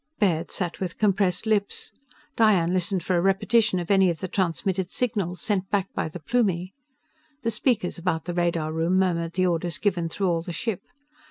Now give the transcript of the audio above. Baird sat with compressed lips. Diane listened for a repetition of any of the transmitted signals, sent back by the Plumie. The speakers about the radar room murmured the orders given through all the ship.